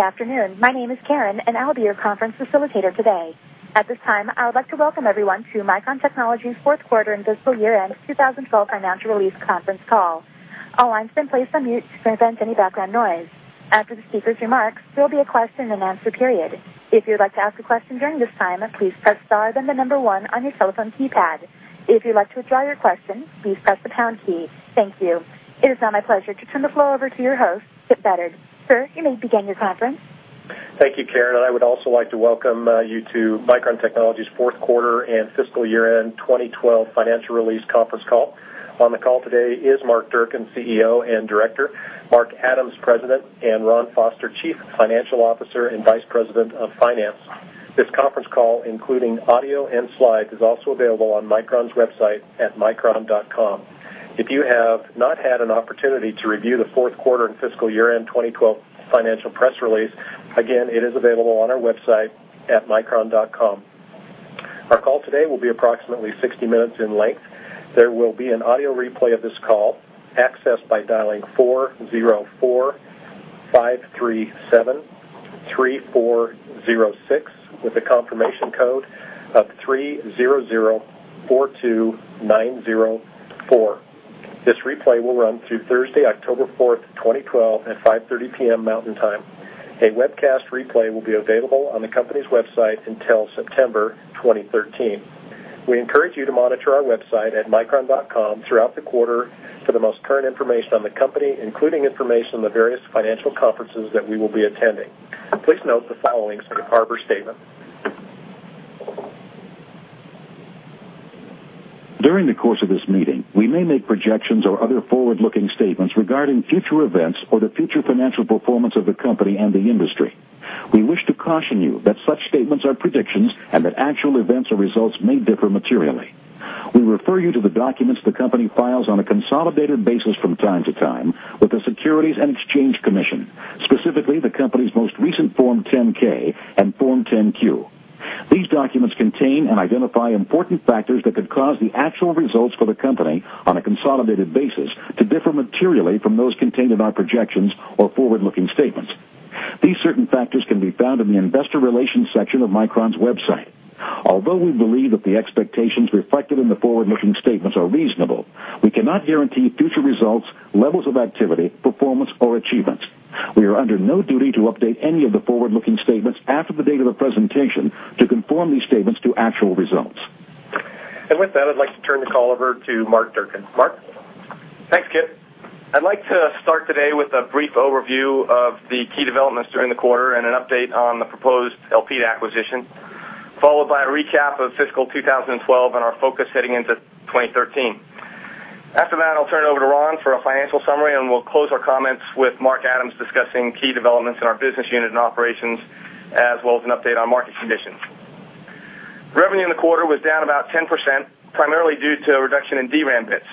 Good afternoon. My name is Karen, and I'll be your conference facilitator today. At this time, I would like to welcome everyone to Micron Technology's fourth quarter and fiscal year-end 2012 financial release conference call. All lines have been placed on mute to prevent any background noise. After the speakers' remarks, there will be a question-and-answer period. If you would like to ask a question during this time, please press star, then the number one on your telephone keypad. If you'd like to withdraw your question, please press the pound key. Thank you. It is now my pleasure to turn the floor over to your host, Kipp Bedard. Sir, you may begin your conference. Thank you, Karen. I would also like to welcome you to Micron Technology's fourth quarter and fiscal year-end 2012 financial release conference call. On the call today is Mark Durcan, CEO and Director, Mark Adams, President, and Ron Foster, Chief Financial Officer and Vice President of Finance. This conference call, including audio and slides, is also available on Micron's website at micron.com. If you have not had an opportunity to review the fourth quarter and fiscal year-end 2012 financial press release, again, it is available on our website at micron.com. Our call today will be approximately 60 minutes in length. There will be an audio replay of this call, accessed by dialing 404-537-3406 with the confirmation code of 30042904. This replay will run through Thursday, October 4th, 2012, at 5:30 P.M. Mountain Time. A webcast replay will be available on the company's website until September 2013. We encourage you to monitor our website at micron.com throughout the quarter for the most current information on the company, including information on the various financial conferences that we will be attending. Please note the following safe harbor statement. During the course of this meeting, we may make projections or other forward-looking statements regarding future events or the future financial performance of the company and the industry. We wish to caution you that such statements are predictions and that actual events or results may differ materially. We refer you to the documents the company files on a consolidated basis from time to time with the Securities and Exchange Commission, specifically the company's most recent Form 10-K and Form 10-Q. These documents contain and identify important factors that could cause the actual results for the company on a consolidated basis to differ materially from those contained in our projections or forward-looking statements. These certain factors can be found in the investor relations section of Micron's website. Although we believe that the expectations reflected in the forward-looking statements are reasonable, we cannot guarantee future results, levels of activity, performance, or achievements. We are under no duty to update any of the forward-looking statements after the date of the presentation to conform these statements to actual results. With that, I'd like to turn the call over to Mark Durcan. Mark? Thanks, Kipp. I'd like to start today with a brief overview of the key developments during the quarter and an update on the proposed Elpida acquisition, followed by a recap of fiscal 2012 and our focus heading into 2013. After that, I'll turn it over to Ron for a financial summary, and we'll close our comments with Mark Adams discussing key developments in our business unit and operations, as well as an update on market conditions. Revenue in the quarter was down about 10%, primarily due to a reduction in DRAM bits.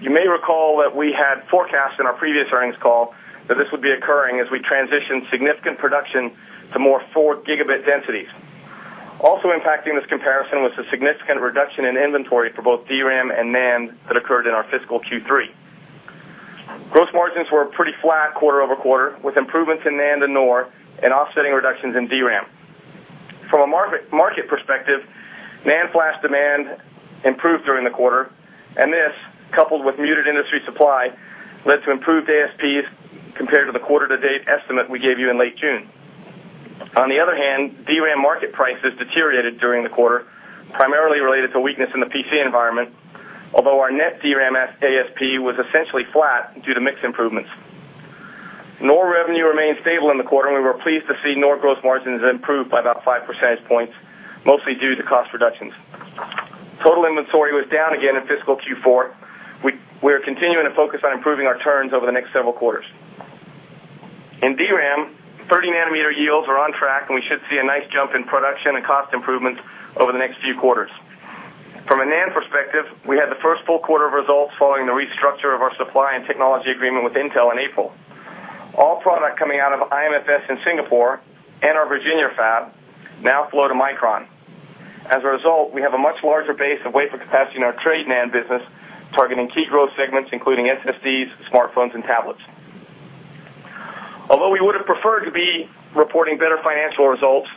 You may recall that we had forecast in our previous earnings call that this would be occurring as we transition significant production to more 4-gigabit densities. Also impacting this comparison was the significant reduction in inventory for both DRAM and NAND that occurred in our fiscal Q3. Gross margins were pretty flat quarter-over-quarter, with improvements in NAND and NOR and offsetting reductions in DRAM. From a market perspective, NAND flash demand improved during the quarter, and this, coupled with muted industry supply, led to improved ASPs compared to the quarter-to-date estimate we gave you in late June. On the other hand, DRAM market prices deteriorated during the quarter, primarily related to weakness in the PC environment, although our net DRAM ASP was essentially flat due to mix improvements. NOR revenue remained stable in the quarter, and we were pleased to see NOR gross margins improve by about 5 percentage points, mostly due to cost reductions. Total inventory was down again in fiscal Q4. We are continuing to focus on improving our turns over the next several quarters. In DRAM, 30-nanometer yields are on track, and we should see a nice jump in production and cost improvements over the next few quarters. From a NAND perspective, we had the first full quarter of results following the restructure of our supply and technology agreement with Intel in April. All product coming out of IMFS in Singapore and our Virginia fab now flow to Micron. As a result, we have a much larger base of wafer capacity in our trade NAND business, targeting key growth segments, including SSDs, smartphones, and tablets. Although we would have preferred to be reporting better financial results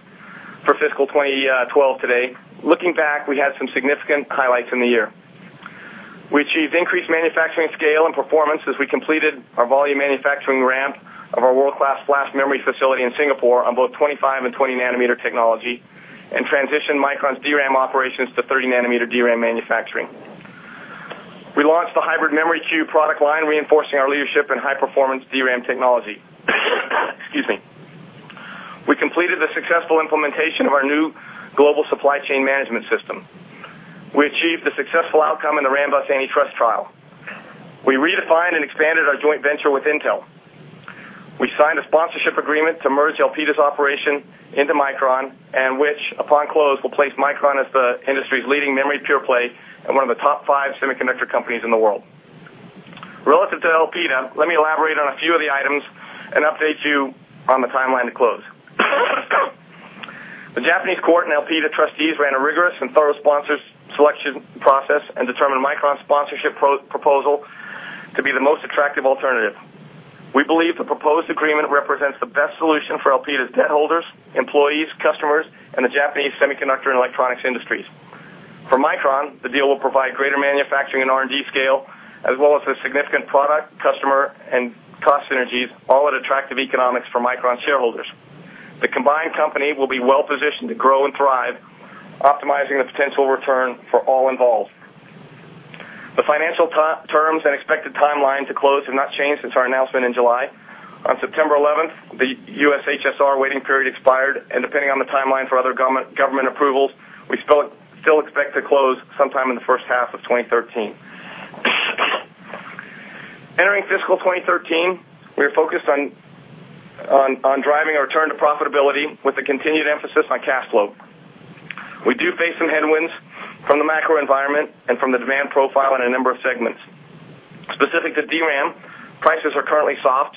for fiscal 2012 today, looking back, we had some significant highlights in the year. We achieved increased manufacturing scale and performance as we completed our volume manufacturing ramp of our world-class flash memory facility in Singapore on both 25 and 20-nanometer technology and transitioned Micron's DRAM operations to 30-nanometer DRAM manufacturing. We launched the hybrid Memory 2 product line, reinforcing our leadership in high-performance DRAM technology. Excuse me. We completed the successful implementation of our new global supply chain management system. We achieved the successful outcome in the Rambus antitrust trial. We redefined and expanded our joint venture with Intel. We signed a sponsorship agreement to merge Elpida's operation into Micron, and which, upon close, will place Micron as the industry's leading memory pure-play and one of the top five semiconductor companies in the world. Relative to Elpida, let me elaborate on a few of the items and update you on the timeline to close. The Japanese court and Elpida trustees ran a rigorous and thorough sponsors selection process and determined Micron's sponsorship proposal to be the most attractive alternative. We believe the proposed agreement represents the best solution for Elpida's debt holders, employees, customers, and the Japanese semiconductor and electronics industries. For Micron, the deal will provide greater manufacturing and R&D scale, as well as a significant product, customer, and cost synergies, all at attractive economics for Micron shareholders. The combined company will be well-positioned to grow and thrive, optimizing the potential return for all involved. The financial terms and expected timeline to close have not changed since our announcement in July. On September 11th, the U.S. HSR waiting period expired, and depending on the timeline for other government approvals, we still expect to close sometime in the first half of 2013. Entering fiscal 2013, we are focused on driving our return to profitability with a continued emphasis on cash flow. We do face some headwinds from the macro environment and from the demand profile in a number of segments. Specific to DRAM, prices are currently soft.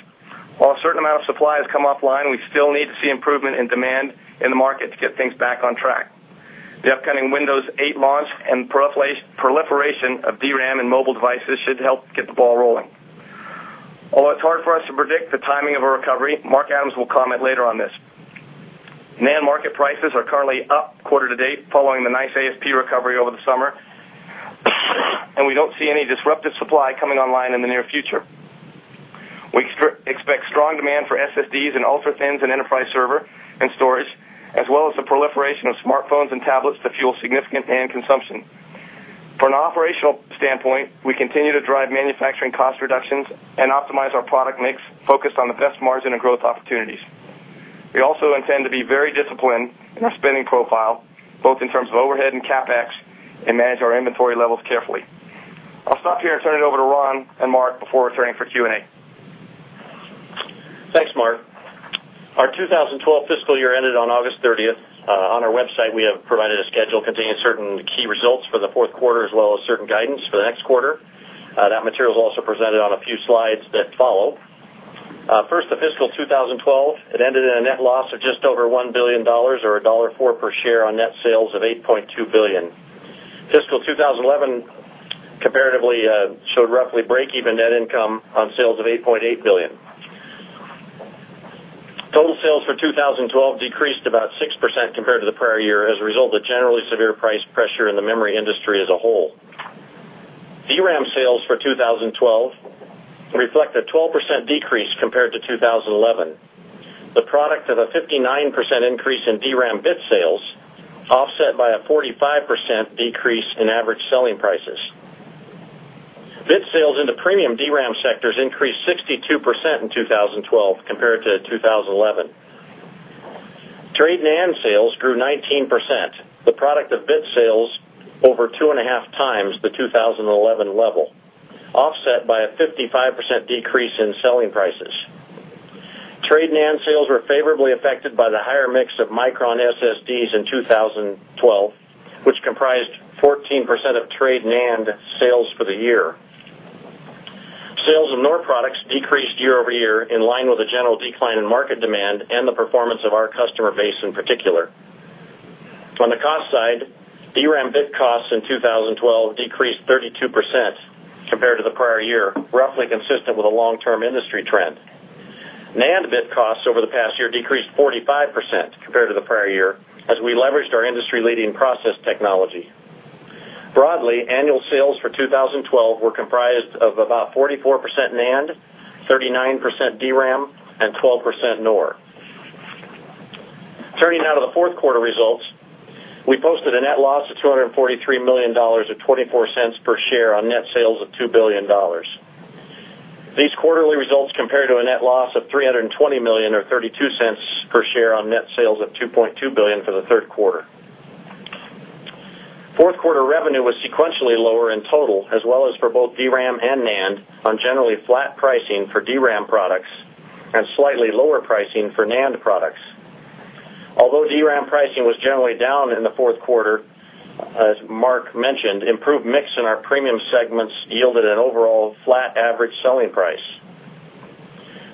While a certain amount of supply has come offline, we still need to see improvement in demand in the market to get things back on track. The upcoming Windows 8 launch and proliferation of DRAM in mobile devices should help get the ball rolling. Although it's hard for us to predict the timing of a recovery, Mark Adams will comment later on this. NAND market prices are currently up quarter to date, following the nice ASP recovery over the summer. We don't see any disruptive supply coming online in the near future. We expect strong demand for SSDs in ultra-thins and enterprise server and storage, as well as the proliferation of smartphones and tablets to fuel significant NAND consumption. From an operational standpoint, we continue to drive manufacturing cost reductions and optimize our product mix focused on the best margin and growth opportunities. We also intend to be very disciplined in our spending profile, both in terms of overhead and CapEx, and manage our inventory levels carefully. I'll stop here and turn it over to Ron and Mark before returning for Q&A. Thanks, Mark. Our FY 2012 ended on August 30th. On our website, we have provided a schedule containing certain key results for the fourth quarter, as well as certain guidance for the next quarter. That material is also presented on a few slides that follow. First to FY 2012. It ended in a net loss of just over $1 billion or $1.04 per share on net sales of $8.2 billion. FY 2011 comparatively showed roughly break-even net income on sales of $8.8 billion. Total sales for 2012 decreased about 6% compared to the prior year as a result of generally severe price pressure in the memory industry as a whole. DRAM sales for 2012 reflect a 12% decrease compared to 2011, the product of a 59% increase in DRAM bit sales, offset by a 45% decrease in average selling prices. Bit sales in the premium DRAM sectors increased 62% in 2012 compared to 2011. Trade NAND sales grew 19%, the product of bit sales over two and a half times the 2011 level, offset by a 55% decrease in selling prices. Trade NAND sales were favorably affected by the higher mix of Micron SSDs in 2012, which comprised 14% of trade NAND sales for the year. Sales of NOR products decreased year-over-year in line with the general decline in market demand and the performance of our customer base in particular. On the cost side, DRAM bit costs in 2012 decreased 32% compared to the prior year, roughly consistent with the long-term industry trend. NAND bit costs over the past year decreased 45% compared to the prior year, as we leveraged our industry-leading process technology. Broadly, annual sales for 2012 were comprised of about 44% NAND, 39% DRAM, and 12% NOR. Turning now to the fourth quarter results, we posted a net loss of $243 million or $0.24 per share on net sales of $2 billion. These quarterly results compare to a net loss of $320 million or $0.32 per share on net sales of $2.2 billion for the third quarter. Fourth quarter revenue was sequentially lower in total, as well as for both DRAM and NAND on generally flat pricing for DRAM products and slightly lower pricing for NAND products. Although DRAM pricing was generally down in the fourth quarter, as Mark mentioned, improved mix in our premium segments yielded an overall flat average selling price.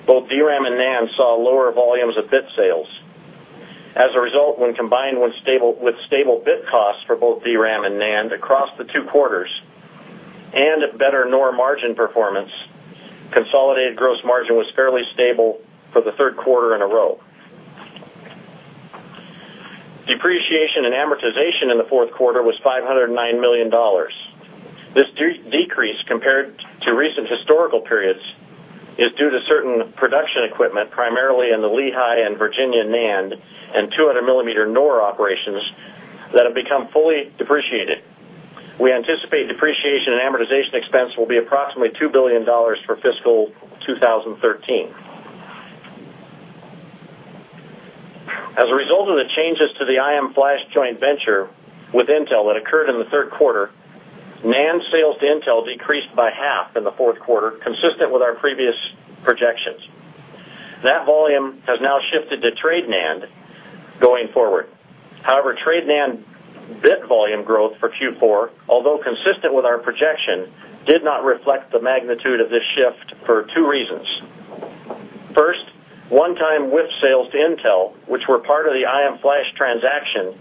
Both DRAM and NAND saw lower volumes of bit sales. As a result, when combined with stable bit costs for both DRAM and NAND across the two quarters and better NOR margin performance, consolidated gross margin was fairly stable for the third quarter in a row. Depreciation and amortization in the fourth quarter was $509 million. This decrease compared to recent historical periods is due to certain production equipment, primarily in the Lehi and Virginia NAND and 200-millimeter NOR operations that have become fully depreciated. We anticipate depreciation and amortization expense will be approximately $2 billion for fiscal 2013. As a result of the changes to the IM Flash joint venture with Intel that occurred in the third quarter, NAND sales to Intel decreased by half in the fourth quarter, consistent with our previous projections. That volume has now shifted to trade NAND going forward. Trade NAND bit volume growth for Q4, although consistent with our projection, did not reflect the magnitude of this shift for two reasons. First, one-time WIP sales to Intel, which were part of the IM Flash transaction,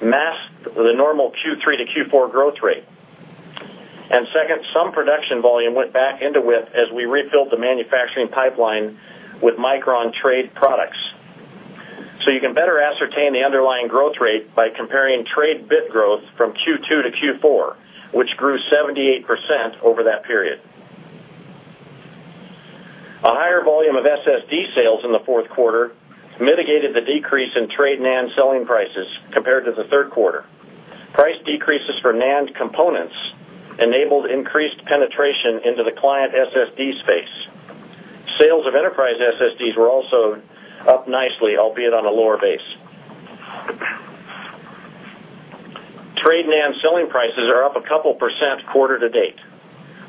masked the normal Q3 to Q4 growth rate. Second, some production volume went back into WIP as we refilled the manufacturing pipeline with Micron trade products. You can better ascertain the underlying growth rate by comparing trade bit growth from Q2 to Q4, which grew 78% over that period. A higher volume of SSD sales in the fourth quarter mitigated the decrease in trade NAND selling prices compared to the third quarter. Price decreases for NAND components enabled increased penetration into the client SSD space. Sales of enterprise SSDs were also up nicely, albeit on a lower base. Trade NAND selling prices are up a couple % quarter to date,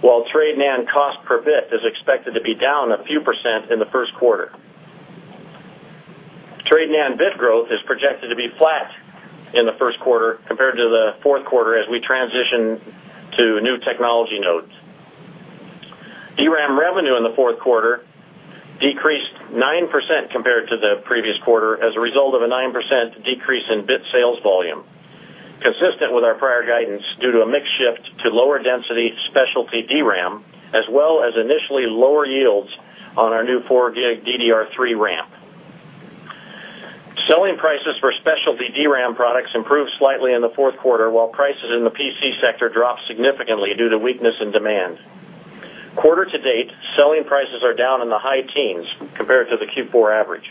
while trade NAND cost per bit is expected to be down a few % in the first quarter. Trade NAND bit growth is projected to be flat in the first quarter compared to the fourth quarter as we transition to new technology nodes. DRAM revenue in the fourth quarter decreased 9% compared to the previous quarter as a result of a 9% decrease in bit sales volume, consistent with our prior guidance due to a mix shift to lower-density specialty DRAM, as well as initially lower yields on our new four-gig DDR3 RAM. Selling prices for specialty DRAM products improved slightly in the fourth quarter, while prices in the PC sector dropped significantly due to weakness in demand. Quarter to date, selling prices are down in the high teens compared to the Q4 average.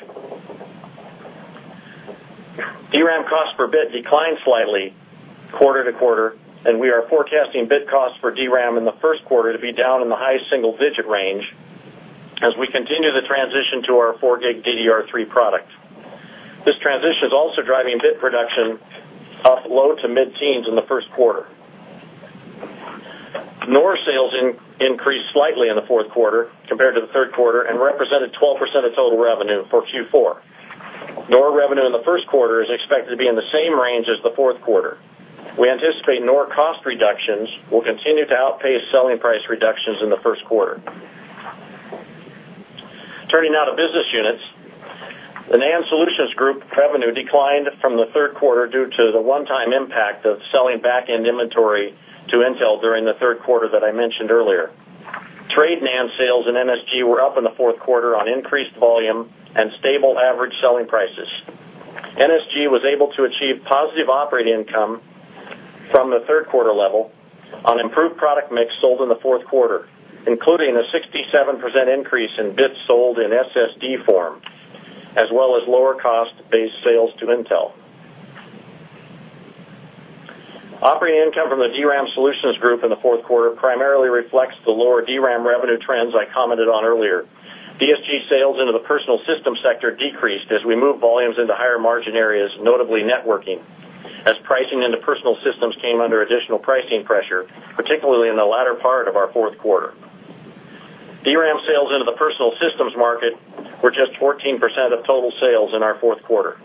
DRAM cost per bit declined slightly quarter to quarter. We are forecasting bit cost for DRAM in the first quarter to be down in the high single-digit range as we continue the transition to our four-gig DDR3 product. This transition is also driving bit production off low to mid-teens in the first quarter. NOR sales increased slightly in the fourth quarter compared to the third quarter and represented 12% of total revenue for Q4. NOR revenue in the first quarter is expected to be in the same range as the fourth quarter. We anticipate NOR cost reductions will continue to outpace selling price reductions in the first quarter. Turning now to business units. The NAND Solutions Group revenue declined from the third quarter due to the one-time impact of selling back-end inventory to Intel during the third quarter that I mentioned earlier. Trade NAND sales in NSG were up in the fourth quarter on increased volume and stable average selling prices. NSG was able to achieve positive operating income from the third-quarter level on improved product mix sold in the fourth quarter, including a 67% increase in bits sold in SSD form, as well as lower-cost-based sales to Intel. Operating income from the DRAM Solutions Group in the fourth quarter primarily reflects the lower DRAM revenue trends I commented on earlier. DSG sales into the personal system sector decreased as we moved volumes into higher-margin areas, notably networking, as pricing into personal systems came under additional pricing pressure, particularly in the latter part of our fourth quarter. DRAM sales into the personal systems market were just 14% of total sales in our fourth quarter.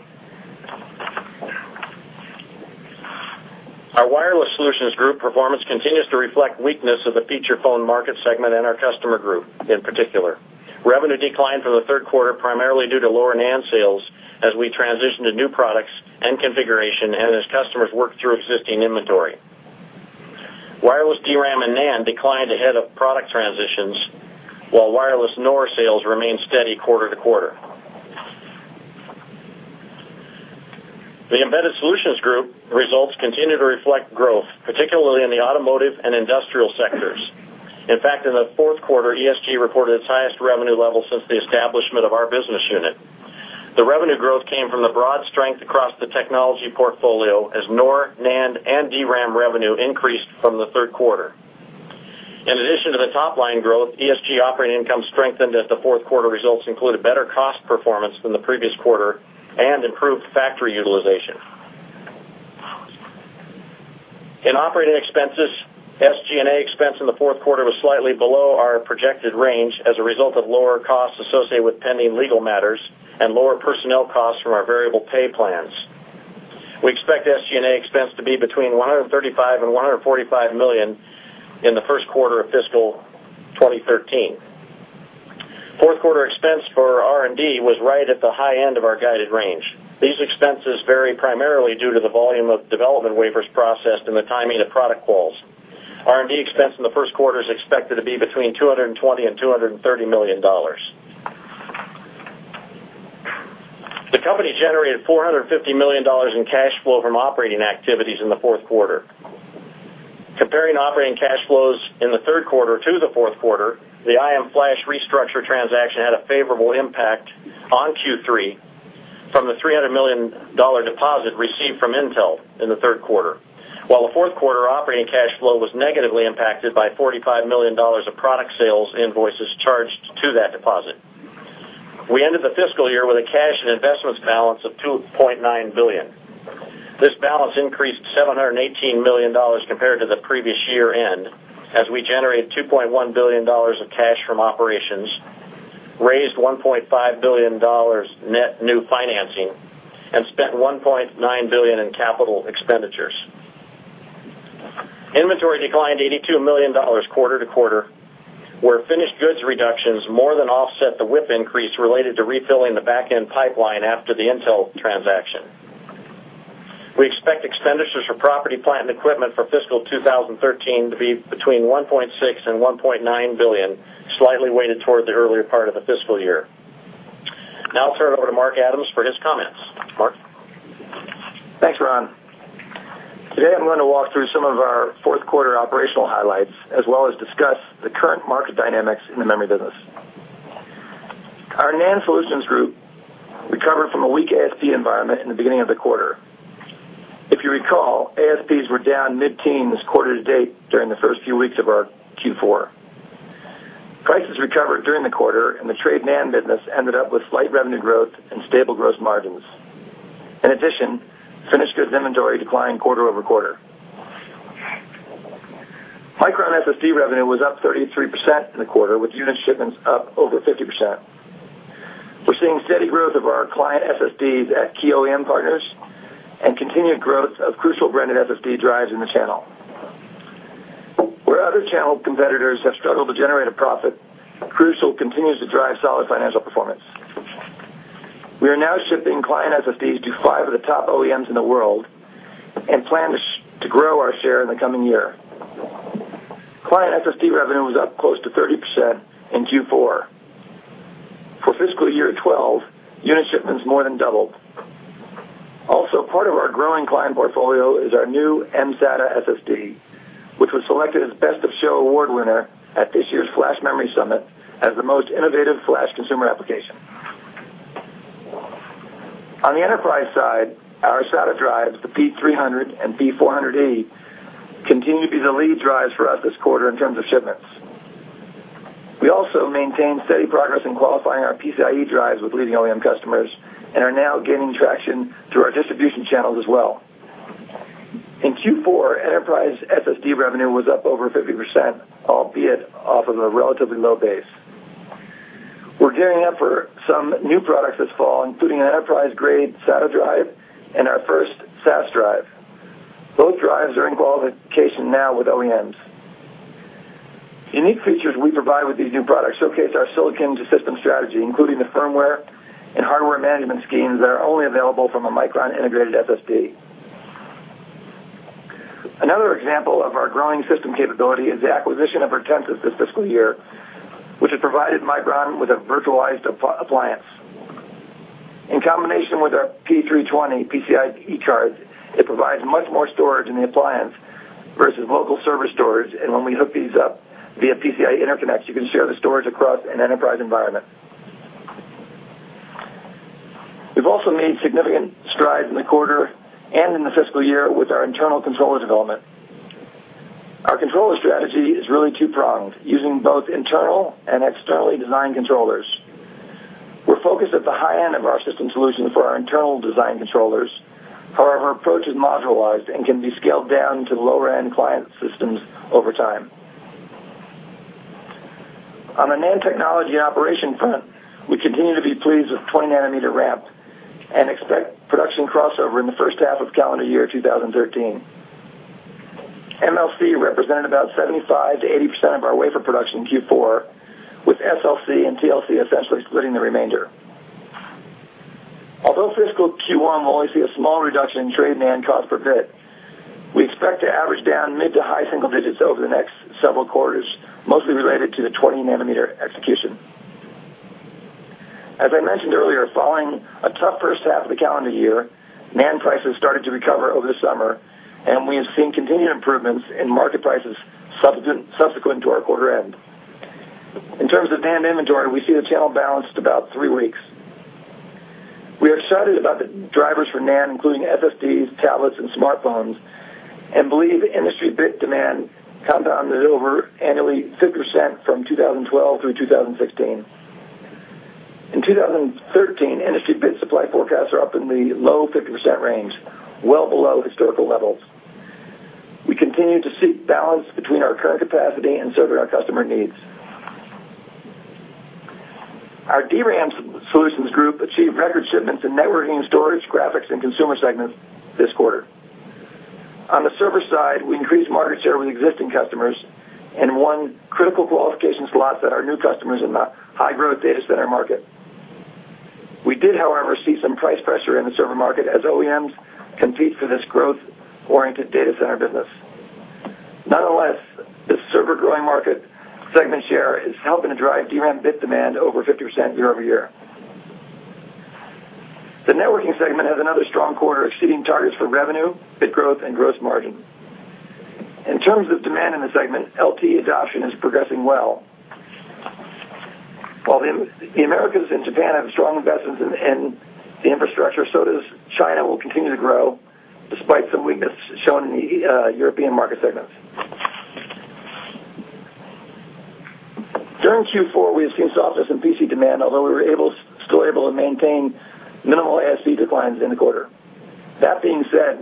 Our Wireless Solutions Group performance continues to reflect weakness of the feature phone market segment and our customer group, in particular. Revenue declined from the third quarter primarily due to lower NAND sales as we transitioned to new products and configuration and as customers worked through existing inventory. Wireless DRAM and NAND declined ahead of product transitions, while wireless NOR sales remained steady quarter to quarter. The Embedded Solutions Group results continue to reflect growth, particularly in the automotive and industrial sectors. In fact, in the fourth quarter, ESG reported its highest revenue level since the establishment of our business unit. The revenue growth came from the broad strength across the technology portfolio as NOR, NAND, and DRAM revenue increased from the third quarter. In addition to the top-line growth, ESG operating income strengthened as the fourth-quarter results included better cost performance than the previous quarter and improved factory utilization. In operating expenses, SG&A expense in the fourth quarter was slightly below our projected range as a result of lower costs associated with pending legal matters and lower personnel costs from our variable pay plans. We expect SG&A expense to be between $135 million and $145 million in the first quarter of fiscal 2013. Fourth-quarter expense for R&D was right at the high end of our guided range. These expenses vary primarily due to the volume of development wafers processed and the timing of product quals. R&D expense in the first quarter is expected to be between $220 million and $230 million. The company generated $450 million in cash flow from operating activities in the fourth quarter. Comparing operating cash flows in the third quarter to the fourth quarter, the IM Flash restructure transaction had a favorable impact on Q3 from the $300 million deposit received from Intel in the third quarter, while the fourth quarter operating cash flow was negatively impacted by $45 million of product sales invoices charged to that deposit. We ended the fiscal year with a cash and investments balance of $2.9 billion. This balance increased $718 million compared to the previous year-end as we generated $2.1 billion of cash from operations, raised $1.5 billion net new financing, and spent $1.9 billion in capital expenditures. Inventory declined $82 million quarter-to-quarter, where finished goods reductions more than offset the WIP increase related to refilling the back-end pipeline after the Intel transaction. We expect expenditures for property, plant, and equipment for fiscal 2013 to be between $1.6 billion and $1.9 billion, slightly weighted toward the earlier part of the fiscal year. I'll turn it over to Mark Adams for his comments. Mark? Thanks, Ron. Today I'm going to walk through some of our fourth quarter operational highlights, as well as discuss the current market dynamics in the memory business. Our NAND Solutions Group recovered from a weak ASP environment in the beginning of the quarter. If you recall, ASPs were down mid-teens quarter to date during the first few weeks of our Q4. Prices recovered during the quarter, the trade NAND business ended up with slight revenue growth and stable gross margins. In addition, finished goods inventory declined quarter-over-quarter. Micron SSD revenue was up 33% in the quarter, with unit shipments up over 50%. We're seeing steady growth of our client SSDs at key OEM partners and continued growth of Crucial-branded SSD drives in the channel. Where other channel competitors have struggled to generate a profit, Crucial continues to drive solid financial performance. We are now shipping client SSDs to five of the top OEMs in the world and plan to grow our share in the coming year. Client SSD revenue was up close to 30% in Q4. For fiscal year 2012, unit shipments more than doubled. Also part of our growing client portfolio is our new mSATA SSD, which was selected as Best of Show award winner at this year's Flash Memory Summit as the most innovative flash consumer application. On the enterprise side, our SATA drives, the P300 and P400e, continue to be the lead drives for us this quarter in terms of shipments. We also maintain steady progress in qualifying our PCIe drives with leading OEM customers and are now gaining traction through our distribution channels as well. In Q4, enterprise SSD revenue was up over 50%, albeit off of a relatively low base. We're gearing up for some new products this fall, including an enterprise-grade SATA drive and our first SAS drive. Both drives are in qualification now with OEMs. The unique features we provide with these new products showcase our silicon to system strategy, including the firmware and hardware management schemes that are only available from a Micron-integrated SSD. Another example of our growing system capability is the acquisition of Virtensys this fiscal year, which has provided Micron with a virtualized appliance. In combination with our P320 PCIe cards, it provides much more storage in the appliance versus local server storage. When we hook these up via PCIe interconnects, you can share the storage across an enterprise environment. We've also made significant strides in the quarter and in the fiscal year with our internal controller development. Our controller strategy is really two-pronged, using both internal and externally designed controllers. We're focused at the high end of our system solution for our internal design controllers. However, our approach is modularized and can be scaled down to lower-end client systems over time. On the NAND technology and operation front, we continue to be pleased with 20-nanometer ramp and expect production crossover in the first half of calendar year 2013. MLC represented about 75%-80% of our wafer production in Q4, with SLC and TLC essentially splitting the remainder. Although fiscal Q1 will only see a small reduction in trade NAND cost per bit, we expect to average down mid to high single digits over the next several quarters, mostly related to the 20-nanometer execution. As I mentioned earlier, following a tough first half of the calendar year, NAND prices started to recover over the summer, and we have seen continued improvements in market prices subsequent to our quarter end. In terms of NAND inventory, we see the channel balanced about three weeks. We are excited about the drivers for NAND, including SSDs, tablets, and smartphones, and believe industry bit demand compounded over annually 50% from 2012 through 2016. In 2013, industry bit supply forecasts are up in the low 50% range, well below historical levels. We continue to seek balance between our current capacity and serving our customer needs. Our DRAM Solutions Group achieved record shipments in networking, storage, graphics, and consumer segments this quarter. On the server side, we increased market share with existing customers and won critical qualification slots at our new customers in the high-growth data center market. We did, however, see some price pressure in the server market as OEMs compete for this growth-oriented data center business. Nonetheless, the server growing market segment share is helping to drive DRAM bit demand over 50% year-over-year. The networking segment has another strong quarter, exceeding targets for revenue, bit growth, and gross margin. In terms of demand in the segment, LTE adoption is progressing well. While the Americas and Japan have strong investments in the infrastructure, so does China, will continue to grow despite some weakness shown in the European market segments. During Q4, we have seen softness in PC demand, although we were still able to maintain minimal ASP declines in the quarter. That being said,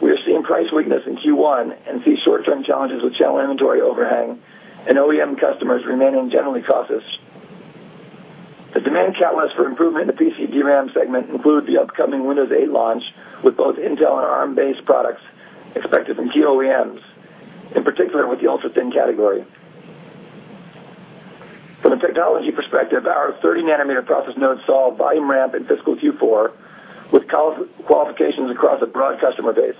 we are seeing price weakness in Q1 and see short-term challenges with channel inventory overhang and OEM customers remaining generally cautious. The demand catalyst for improvement in the PC DRAM segment include the upcoming Windows 8 launch with both Intel and Arm-based products expected from OEMs, in particular with the ultrathin category. From a technology perspective, our 30-nanometer process node saw volume ramp in fiscal Q4 with qualifications across a broad customer base.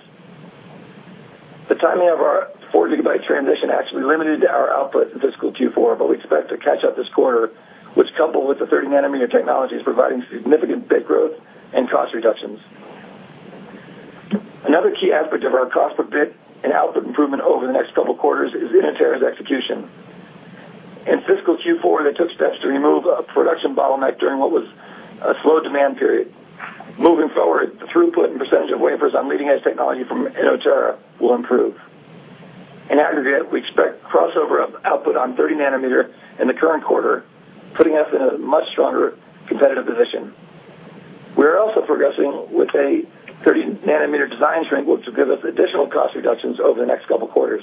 The timing of our four gigabyte transition actually limited our output in fiscal Q4, but we expect to catch up this quarter, which coupled with the 30-nanometer technology, is providing significant bit growth and cost reductions. Another key aspect of our cost per bit and output improvement over the next couple of quarters is Inotera's execution. In fiscal Q4, they took steps to remove a production bottleneck during what was a slow demand period. Moving forward, the throughput and percentage of wafers on leading-edge technology from Inotera will improve. In aggregate, we expect crossover of output on 30-nanometer in the current quarter, putting us in a much stronger competitive position. We are also progressing with a 30-nanometer design shrink, which will give us additional cost reductions over the next couple of quarters.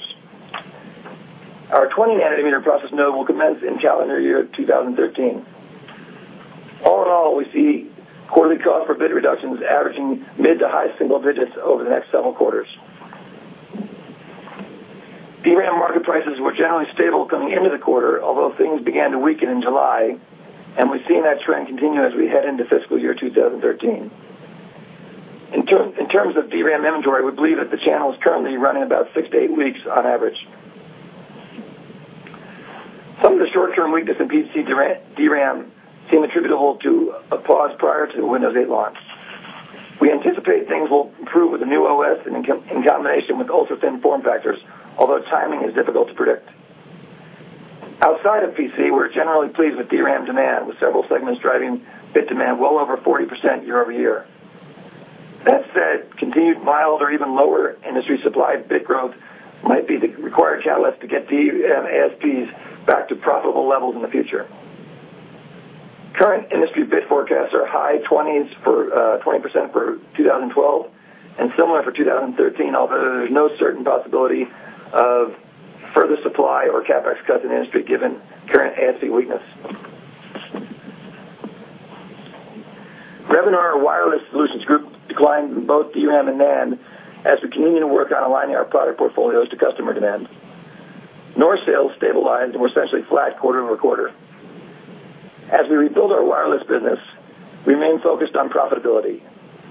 Our 20-nanometer process node will commence in calendar year 2013. All in all, we see quarterly cost per bit reductions averaging mid to high single digits over the next several quarters. DRAM market prices were generally stable coming into the quarter, although things began to weaken in July, and we've seen that trend continue as we head into fiscal year 2013. In terms of DRAM inventory, we believe that the channel is currently running about six to eight weeks on average. Some of the short-term weakness in PC DRAM seem attributable to a pause prior to the Windows 8 launch. We anticipate things will improve with the new OS in combination with ultrathin form factors, although timing is difficult to predict. Outside of PC, we're generally pleased with DRAM demand, with several segments driving bit demand well over 40% year-over-year. That said, continued mild or even lower industry supply bit growth might be the required catalyst to get DRAM ASPs back to profitable levels in the future. Current industry bit forecasts are high 20s for 20% for 2012 and similar for 2013, although there's no certain possibility of further supply or CapEx cuts in the industry given current ASP weakness. Revenue in our Wireless Solutions Group declined in both DRAM and NAND as we continue to work on aligning our product portfolios to customer demand. NOR sales stabilized and were essentially flat quarter-over-quarter. As we rebuild our wireless business, we remain focused on profitability.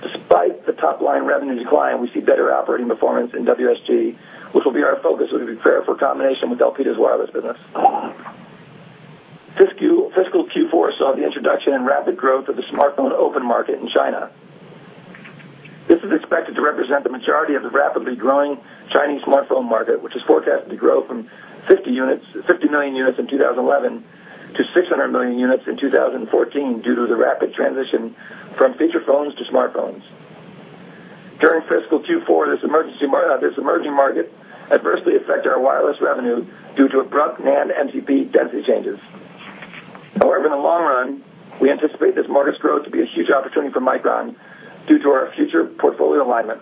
Despite the top-line revenue decline, we see better operating performance in WSG, which will be our focus as we prepare for a combination with Elpida's wireless business. Fiscal Q4 saw the introduction and rapid growth of the smartphone open market in China. This is expected to represent the majority of the rapidly growing Chinese smartphone market, which is forecasted to grow from 50 million units in 2011 to 600 million units in 2014 due to the rapid transition from feature phones to smartphones. During fiscal Q4, this emerging market adversely affect our wireless revenue due to abrupt NAND MCP density changes. However, in the long run, we anticipate this market's growth to be a huge opportunity for Micron due to our future portfolio alignment.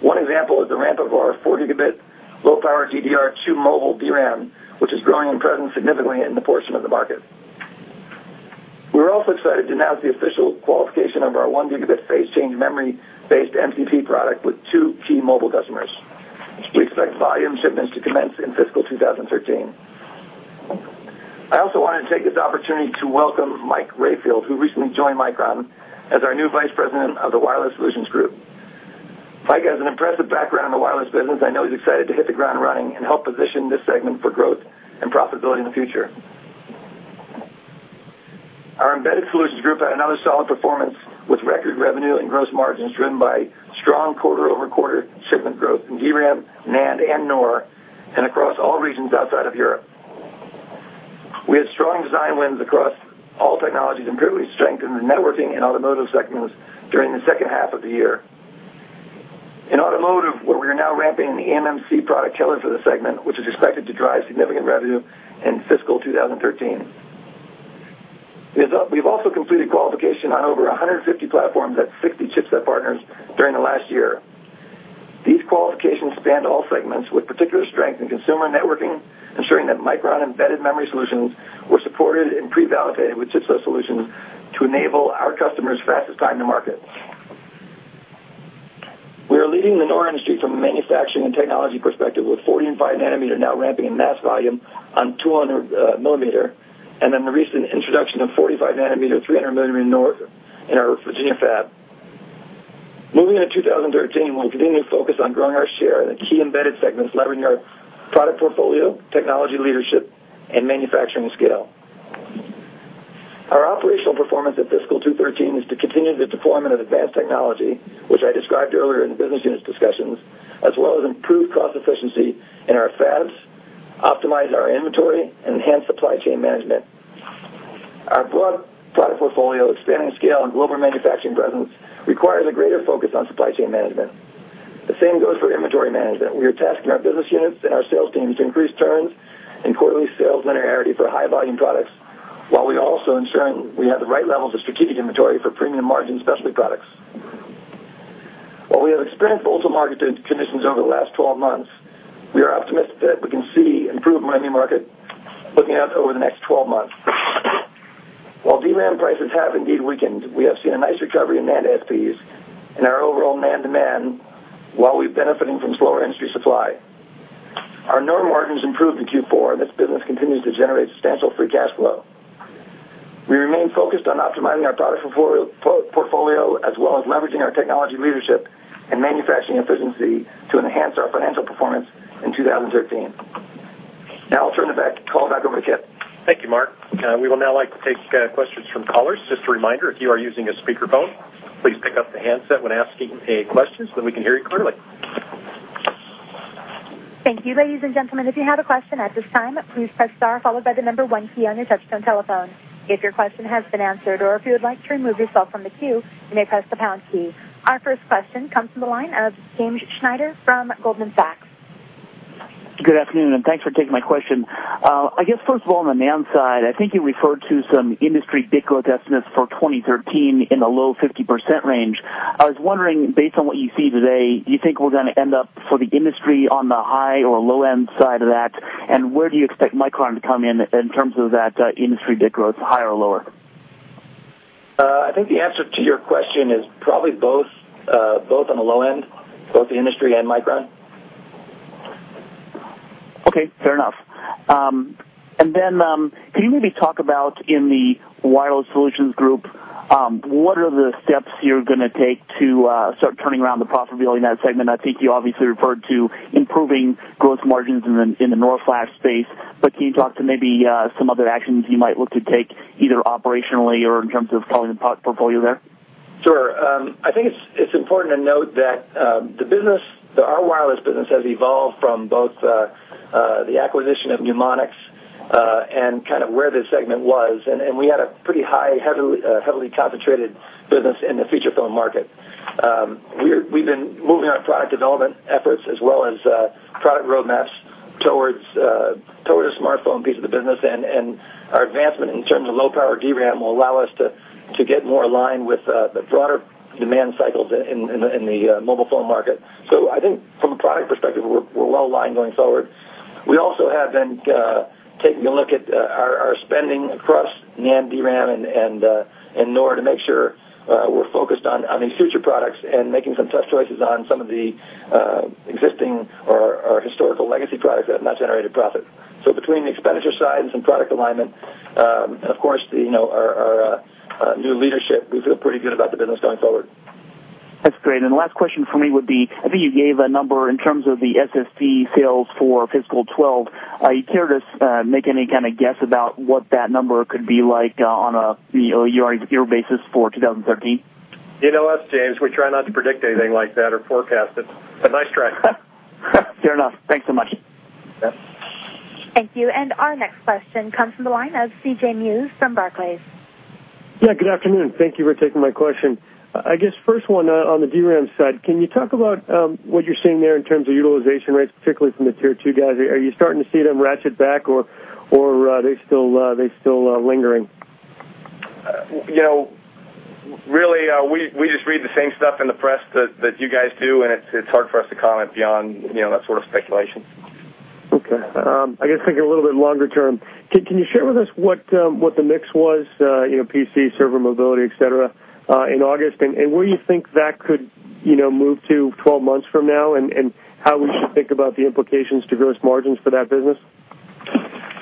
One example is the ramp of our four gigabit low-power DDR2 mobile DRAM, which is growing in presence significantly in the portion of the market. We're also excited to announce the official qualification of our one gigabit phase-change memory-based MCP product with two key mobile customers. We expect volume shipments to commence in fiscal 2013. I also want to take this opportunity to welcome Mike Rayfield, who recently joined Micron as our new Vice President of the Wireless Solutions Group. Mike has an impressive background in the wireless business. I know he's excited to hit the ground running and help position this segment for growth and profitability in the future. Our Embedded Solutions Group had another solid performance with record revenue and gross margins driven by strong quarter-over-quarter shipment growth in DRAM, NAND, and NOR, and across all regions outside of Europe. We had strong design wins across all technologies, particularly strengthened the networking and automotive segments during the second half of the year. In automotive, where we are now ramping the eMMC product killer for the segment, which is expected to drive significant revenue in fiscal 2013. We've also completed qualification on over 150 platforms at 60 chipset partners during the last year. These qualifications spanned all segments with particular strength in consumer networking, ensuring that Micron embedded memory solutions were supported and pre-validated with chipset solutions to enable our customers fastest time to market. We are leading the NOR industry from a manufacturing and technology perspective with 45-nanometer now ramping in mass volume on 200-millimeter, then the recent introduction of 45-nanometer, 300-millimeter NOR in our Virginia fab. Moving into 2013, we'll continue to focus on growing our share in the key embedded segments, leveraging our product portfolio, technology leadership, and manufacturing scale. Our operational performance in fiscal 2013 is to continue the deployment of advanced technology, which I described earlier in the business units discussions, as well as improve cost efficiency in our fabs, optimize our inventory, and enhance supply chain management. Our broad product portfolio, expanding scale, and global manufacturing presence requires a greater focus on supply chain management. The same goes for inventory management. We are tasking our business units and our sales teams to increase turns and quarterly sales linearity for high-volume products while we also ensuring we have the right levels of strategic inventory for premium margin specialty products. While we have experienced volatile market conditions over the last 12 months, we are optimistic that we can see improved memory market looking out over the next 12 months. While DRAM prices have indeed weakened, we have seen a nice recovery in NAND ASPs and our overall NAND demand, while we're benefiting from slower industry supply. Our NOR margins improved in Q4. This business continues to generate substantial free cash flow. We remain focused on optimizing our product portfolio, as well as leveraging our technology leadership and manufacturing efficiency to enhance our financial performance in 2013. I'll turn the call back over to Kipp. Thank you, Mark. We would now like to take questions from callers. Just a reminder, if you are using a speakerphone, please pick up the handset when asking a question so that we can hear you clearly. Thank you, ladies and gentlemen. If you have a question at this time, please press star followed by the number one key on your touchtone telephone. If your question has been answered or if you would like to remove yourself from the queue, you may press the pound key. Our first question comes from the line of James Schneider from Goldman Sachs. Good afternoon. Thanks for taking my question. I guess first of all, on the NAND side, I think you referred to some industry bit growth estimates for 2013 in the low 50% range. I was wondering, based on what you see today, do you think we're going to end up for the industry on the high or low-end side of that? Where do you expect Micron to come in, terms of that industry bit growth, higher or lower? I think the answer to your question is probably both on the low end, both the industry and Micron. Okay, fair enough. Can you maybe talk about in the Wireless Solutions Group, what are the steps you're going to take to start turning around the profitability in that segment? I think you obviously referred to improving growth margins in the NOR flash space, can you talk to maybe some other actions you might look to take, either operationally or in terms of culling the product portfolio there? Sure. I think it's important to note that our wireless business has evolved from both the acquisition of Numonyx and kind of where this segment was. We had a pretty high, heavily concentrated business in the feature phone market. We've been moving our product development efforts as well as product roadmaps towards the smartphone piece of the business, and our advancement in terms of low-power DRAM will allow us to get more aligned with the broader demand cycles in the mobile phone market. I think from a product perspective, we're well-aligned going forward. We also have been taking a look at our spending across NAND, DRAM, and NOR to make sure we're focused on these future products and making some tough choices on some of the existing or historical legacy products that have not generated profit. Between the expenditure side and some product alignment, and of course, our new leadership, we feel pretty good about the business going forward. That's great. The last question from me would be, I think you gave a number in terms of the SSD sales for fiscal 2012. You care to make any kind of guess about what that number could be like on a year-over-year basis for 2013? You know us, James. We try not to predict anything like that or forecast it. Nice try. Fair enough. Thanks so much. Yes. Thank you. Our next question comes from the line of CJ Muse from Barclays. Yeah, good afternoon. Thank you for taking my question. I guess first one, on the DRAM side, can you talk about what you're seeing there in terms of utilization rates, particularly from the tier 2 guys? Are you starting to see them ratchet back or are they still lingering? Really, we just read the same stuff in the press that you guys do, and it's hard for us to comment beyond that sort of speculation. Okay. I guess thinking a little bit longer term, can you share with us what the mix was, PC, server, mobility, et cetera, in August, and where you think that could move to 12 months from now and how we should think about the implications to gross margins for that business?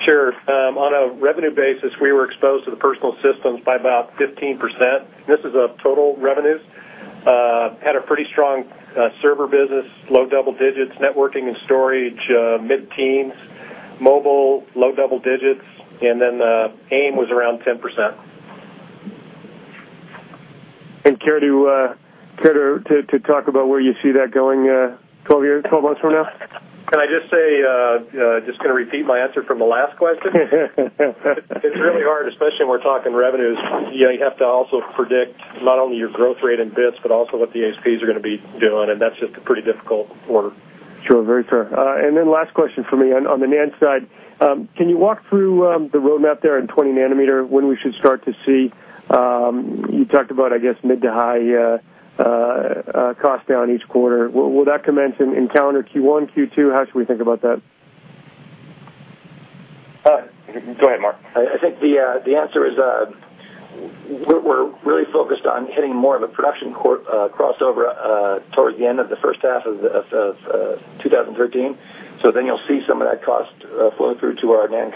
Sure. On a revenue basis, we were exposed to the personal systems by about 15%. This is of total revenues. Had a pretty strong server business, low double digits, networking and storage, mid-teens, mobile, low double digits, and then AIM was around 10%. Care to talk about where you see that going 12 months from now? Can I just say, just going to repeat my answer from the last question. It's really hard, especially when we're talking revenues. You have to also predict not only your growth rate in bits but also what the ASPs are going to be doing, and that's just a pretty difficult order. Sure. Very fair. Last question from me, on the NAND side, can you walk through the roadmap there in 20 nanometer, when we should start to see. You talked about, I guess, mid to high cost down each quarter. Will that commence in calendar Q1, Q2? How should we think about that? Go ahead, Mark. I think the answer is, we're really focused on hitting more of a production crossover towards the end of the first half of 2013. You'll see some of that cost flow through to our NAND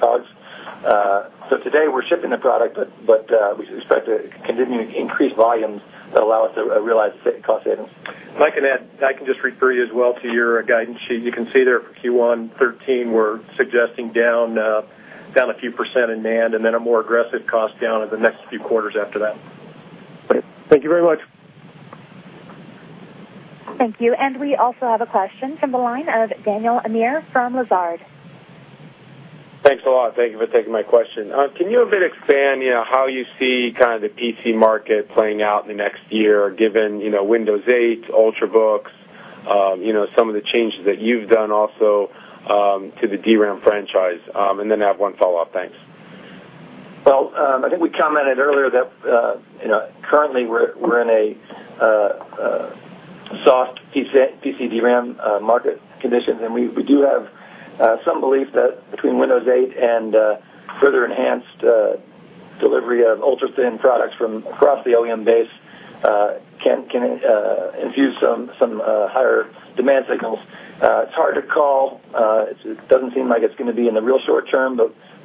COGS. Today we're shipping the product, but we expect to continue to increase volumes that allow us to realize cost savings. I can just refer you as well to your guidance sheet. You can see there for Q1 '13, we're suggesting down a few % in NAND, and then a more aggressive cost down in the next few quarters after that. Great. Thank you very much. Thank you. We also have a question from the line of Daniel Amir from Lazard. Thanks a lot. Thank you for taking my question. Can you a bit expand how you see kind of the PC market playing out in the next year, given Windows 8, ultrabooks, some of the changes that you've done also to the DRAM franchise? Then I have one follow-up. Thanks. Well, I think we commented earlier that currently we're in a soft PC DRAM market condition. We do have some belief that between Windows 8 and further enhanced delivery of ultra-thin products from across the OEM base can infuse some higher demand signals. It's hard to call. It doesn't seem like it's going to be in the real short term.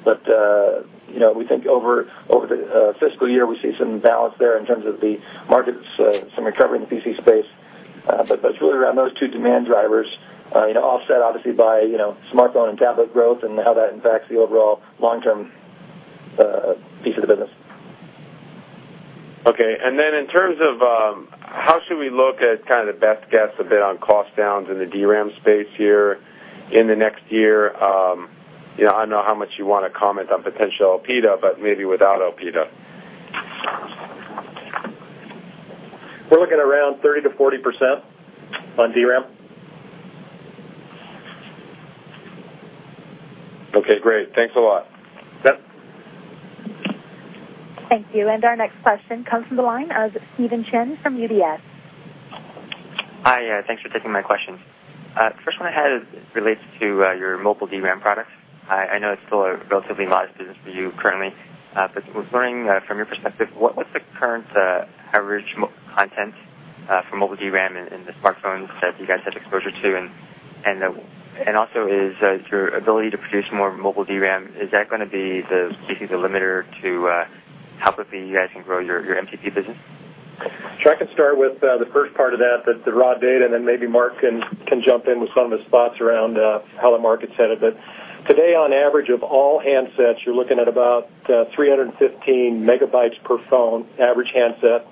We think over the fiscal year, we see some balance there in terms of the markets, some recovery in the PC space. It's really around those two demand drivers, offset obviously by smartphone and tablet growth and how that impacts the overall long-term piece of the business. Okay. Then in terms of how should we look at kind of the best guess a bit on cost downs in the DRAM space here in the next year? I don't know how much you want to comment on potential Elpida, but maybe without Elpida. We're looking around 30%-40% on DRAM. Okay, great. Thanks a lot. Yep. Thank you. Our next question comes from the line of Steven Chin from UBS. Hi. Thanks for taking my question. First one I had relates to your mobile DRAM products. I know it's still a relatively modest business for you currently, but was learning from your perspective, what's the current average content for mobile DRAM in the smartphones that you guys have exposure to? Is your ability to produce more mobile DRAM, is that going to be the limiter to how quickly you guys can grow your MCP business? Sure. I can start with the first part of that, the raw data, and then maybe Mark can jump in with some of the spots around how the market's headed. Today, on average of all handsets, you're looking at about 315 megabytes per phone, average handset,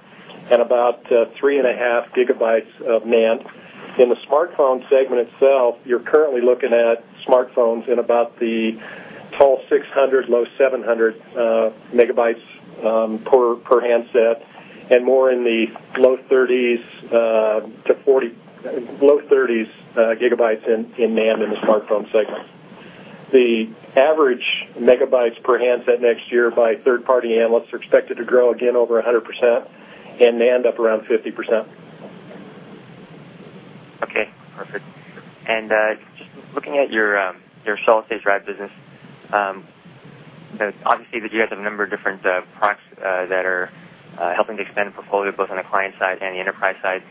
and about three and a half gigabytes of NAND. In the smartphone segment itself, you're currently looking at smartphones in about the tall 600, low 700 megabytes per handset, and more in the low 30s gigabytes in NAND in the smartphone segment. The average megabytes per handset next year by third-party analysts are expected to grow again over 100%, and NAND up around 50%. Okay, perfect. Just looking at your solid-state drive business, obviously you guys have a number of different products that are helping to expand the portfolio both on the client side and the enterprise side.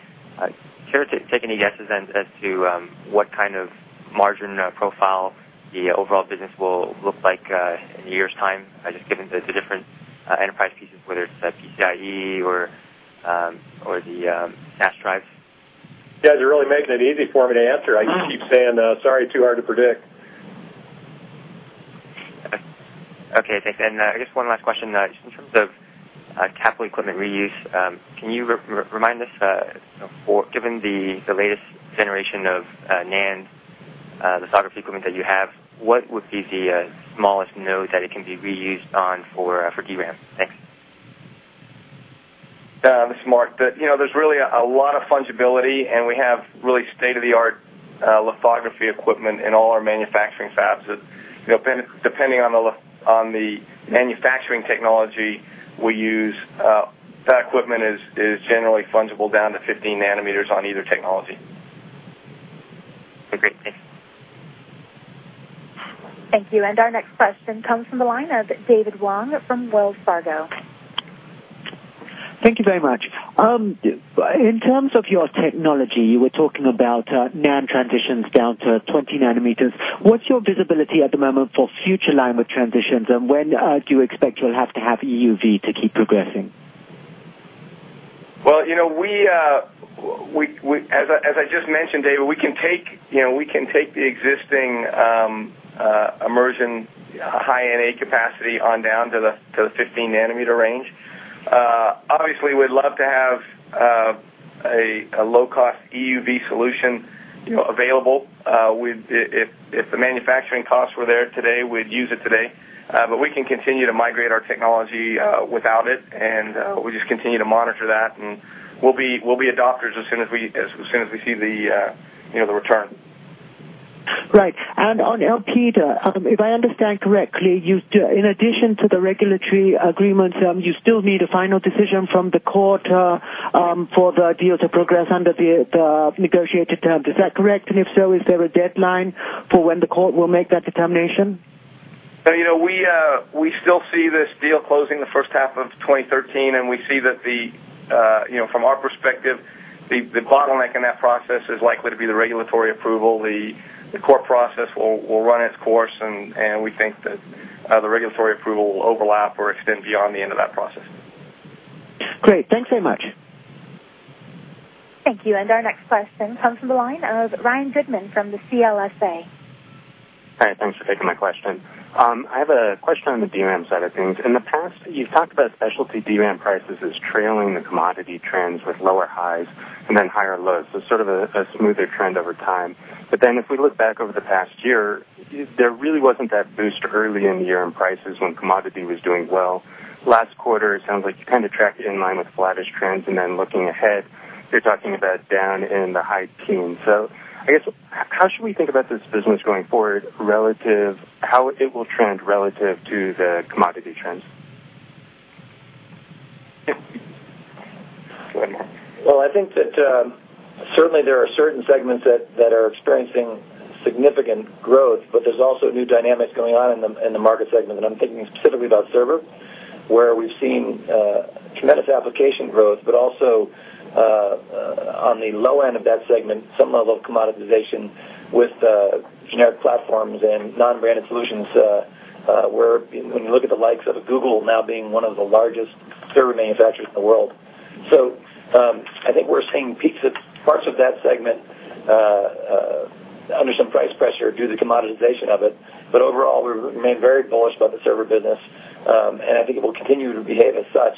Care to take any guesses as to what kind of margin profile the overall business will look like in a year's time, just given the different enterprise pieces, whether it's PCIe or the flash drives? You guys are really making it easy for me to answer. I just keep saying, sorry, too hard to predict. Okay, thanks. I guess one last question, just in terms of capital equipment reuse, can you remind us, given the latest generation of NAND lithography equipment that you have, what would be the smallest node that it can be reused on for DRAM? Thanks. This is Mark. There's really a lot of fungibility. We have really state-of-the-art lithography equipment in all our manufacturing fabs. Depending on the manufacturing technology we use, that equipment is generally fungible down to 15 nanometers on either technology. Great, thanks. Thank you. Our next question comes from the line of David Wong from Wells Fargo. Thank you very much. In terms of your technology, you were talking about NAND transitions down to 20 nanometers. What's your visibility at the moment for future line width transitions, and when do you expect you'll have to have EUV to keep progressing? Well, as I just mentioned, David, we can take the existing immersion High-NA capacity on down to the 15-nanometer range. Obviously, we'd love to have a low-cost EUV solution available. If the manufacturing costs were there today, we'd use it today. We can continue to migrate our technology without it, we just continue to monitor that, and we'll be adopters as soon as we see the return. Right. On Elpida, if I understand correctly, in addition to the regulatory agreements, you still need a final decision from the court for the deal to progress under the negotiated terms. Is that correct? If so, is there a deadline for when the court will make that determination? We still see this deal closing the first half of 2013, we see that from our perspective, the bottleneck in that process is likely to be the regulatory approval. The court process will run its course, we think that the regulatory approval will overlap or extend beyond the end of that process. Great. Thanks very much. Thank you. Our next question comes from the line of Ryan Goodman from the CLSA. Hi, thanks for taking my question. I have a question on the DRAM side of things. In the past, you've talked about specialty DRAM prices as trailing the commodity trends with lower highs and then higher lows, so sort of a smoother trend over time. If we look back over the past year, there really wasn't that boost early in the year in prices when commodity was doing well. Last quarter, it sounds like you kind of tracked in line with flattish trends, looking ahead, you're talking about down in the high teens. I guess, how should we think about this business going forward, how it will trend relative to the commodity trends? Well, I think that certainly there are certain segments that are experiencing significant growth, but there's also new dynamics going on in the market segment. I'm thinking specifically about server, where we've seen tremendous application growth, but also on the low end of that segment, some level of commoditization with generic platforms and non-branded solutions, where when you look at the likes of a Google now being one of the largest server manufacturers in the world. I think we're seeing parts of that segment under some price pressure due to commoditization of it. Overall, we remain very bullish about the server business, and I think it will continue to behave as such.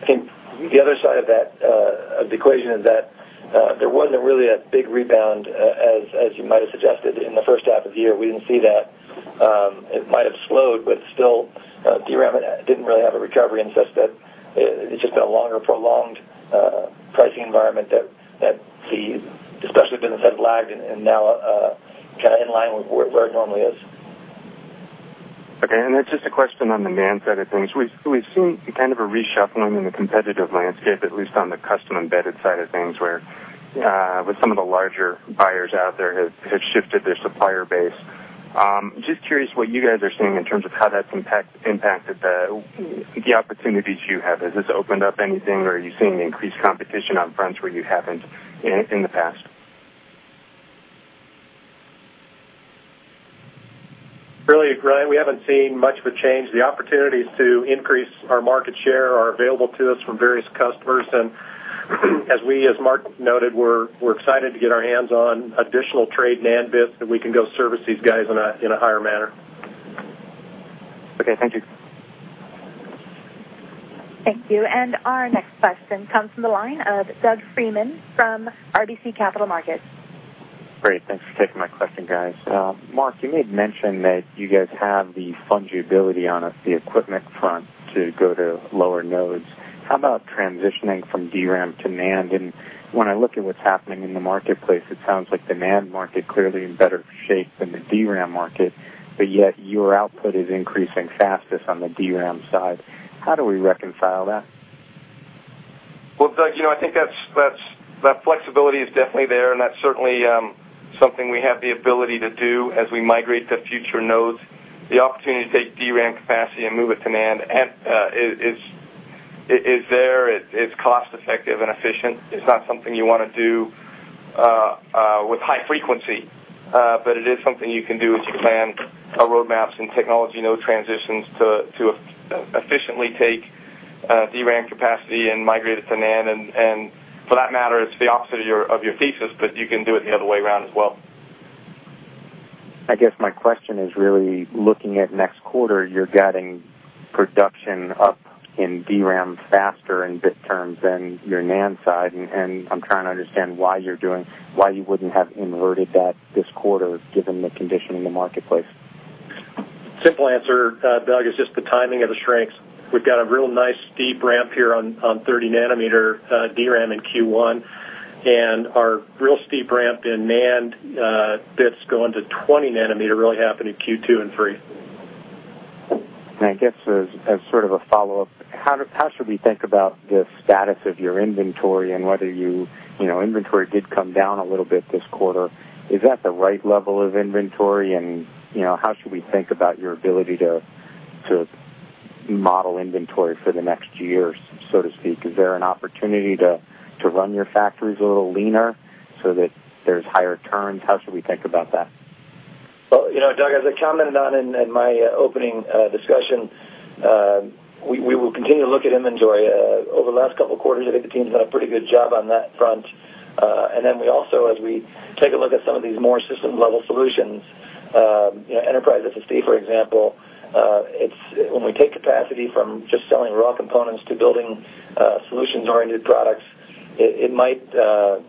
I think the other side of the equation is that there wasn't really a big rebound as you might've suggested in the first half of the year. We didn't see that. It might've slowed, but still DRAM didn't really have a recovery, such that it's just been a longer prolonged pricing environment that the specialty business had lagged and now kind of in line with where it normally is. Okay. Then just a question on the NAND side of things. We've seen kind of a reshuffling in the competitive landscape, at least on the custom embedded side of things where Yeah With some of the larger buyers out there have shifted their supplier base. Just curious what you guys are seeing in terms of how that's impacted the opportunities you have. Has this opened up anything or are you seeing increased competition on fronts where you haven't in the past? Really, Ryan, we haven't seen much of a change. The opportunities to increase our market share are available to us from various customers, as Mark noted, we're excited to get our hands on additional trade NAND bits that we can go service these guys in a higher manner. Okay. Thank you. Thank you. Our next question comes from the line of Doug Freedman from RBC Capital Markets. Great. Thanks for taking my question, guys. Mark, you made mention that you guys have the fungibility on the equipment front to go to lower nodes. How about transitioning from DRAM to NAND? When I look at what's happening in the marketplace, it sounds like the NAND market clearly in better shape than the DRAM market, but yet your output is increasing fastest on the DRAM side. How do we reconcile that? Well, Doug, I think that flexibility is definitely there, and that's certainly something we have the ability to do as we migrate to future nodes. The opportunity to take DRAM capacity and move it to NAND is there. It's cost effective and efficient. It's not something you want to do with high frequency, but it is something you can do as you plan roadmaps and technology node transitions to efficiently take DRAM capacity and migrate it to NAND, and for that matter, it's the opposite of your thesis, but you can do it the other way around as well. My question is really looking at next quarter, you're getting production up in DRAM faster in bit terms than your NAND side, I'm trying to understand why you wouldn't have inverted that this quarter given the condition in the marketplace. Simple answer, Doug, is just the timing of the shrinks. We've got a real nice steep ramp here on 30 nanometer DRAM in Q1. Our real steep ramp in NAND bits going to 20 nanometer really happening in Q2 and 3. I guess as sort of a follow-up, how should we think about the status of your inventory and whether inventory did come down a little bit this quarter. Is that the right level of inventory? How should we think about your ability to model inventory for the next year, so to speak? Is there an opportunity to run your factories a little leaner so that there's higher turns? How should we think about that? Well, Doug, as I commented on in my opening discussion, we will continue to look at inventory. Over the last couple of quarters, I think the team's done a pretty good job on that front. We also, as we take a look at some of these more system-level solutions, enterprise SSD, for example, when we take capacity from just selling raw components to building solutions-oriented products, it might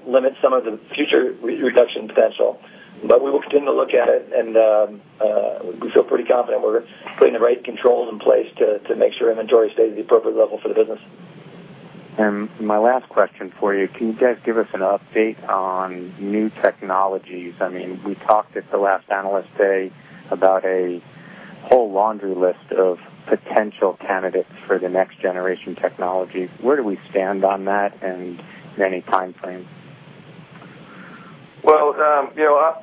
limit some of the future reduction potential. We will continue to look at it, and we feel pretty confident we're putting the right controls in place to make sure inventory stays at the appropriate level for the business. My last question for you, can you guys give us an update on new technologies? We talked at the last Analyst Day about a whole laundry list of potential candidates for the next generation technologies. Where do we stand on that and any timeframe?